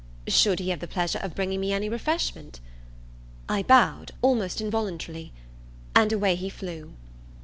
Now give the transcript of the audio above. Should he have the pleasure of bringing me any refreshment? I bowed, almost involuntarily. And away he flew.